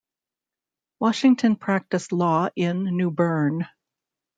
Washington practiced law in New Bern.